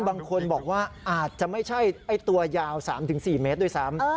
มันอาจจะไม่ใช่ตัวยาว๓๔เมตรด้วยซ้ำ